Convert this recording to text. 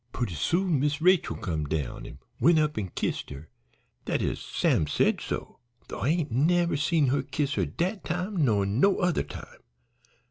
"Purty soon Miss Rachel come down an' went up an' kissed her dat is, Sam said so, though I ain't never seen her kiss her dat time nor no other time.